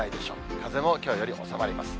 風もきょうより収まります。